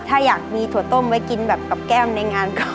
ถ้าอยากมีถั่วต้มไว้กินแบบกับแก้มในงานเขา